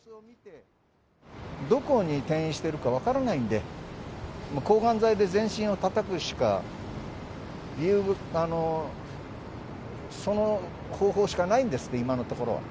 どこに転移してるか分からないんで、抗がん剤で全身をたたくしか、その方法しかないんですって、今のところは。